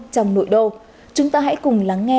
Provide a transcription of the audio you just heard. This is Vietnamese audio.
trong nội đô chúng ta hãy cùng lắng nghe